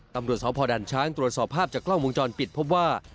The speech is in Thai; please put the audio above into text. ตำรวจสพด่านช้างตรวจสอบภาพจากกล้องวงจรปิดพบว่า